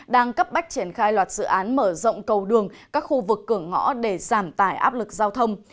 đang cấp bách triển khai loạt dự án mở rộng cầu đường các khu vực cửa ngõ để giảm tải áp lực giao thông